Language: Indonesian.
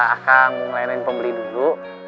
aku ngelayanin pembeli dulu